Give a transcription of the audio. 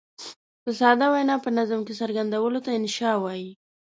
په ساده وینا په نظم کې څرګندولو ته انشأ وايي.